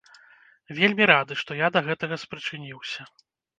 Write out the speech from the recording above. Вельмі рады, што я да гэтага спрычыніўся.